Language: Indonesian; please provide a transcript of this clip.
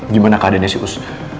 gimana keadaannya sus